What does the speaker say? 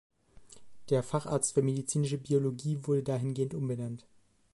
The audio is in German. Der „Facharzt für Medizinische Biologie“ wurde dahingehend umbenannt.